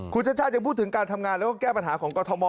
คุณชาติชาติยังพูดถึงการทำงานแล้วก็แก้ปัญหาของกรทม